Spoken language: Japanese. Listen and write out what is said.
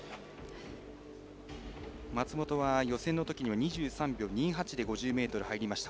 松元は予選のときには２３秒２８で５０ｍ入りました。